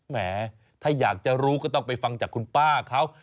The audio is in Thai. แหมถ้าอยากจะรู้ก็ต้องไปฟังจากคุณป้าเขา